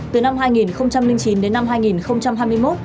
từ năm hai nghìn chín đến năm hai nghìn hai mươi một